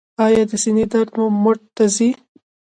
ایا د سینې درد مو مټ ته ځي؟